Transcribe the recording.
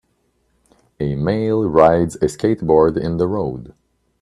A male rides a skateboard in the road.